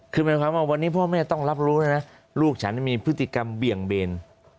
คือหมายความว่าวันนี้พ่อแม่ต้องรับรู้เลยนะลูกฉันมีพฤติกรรมเบี่ยงเบน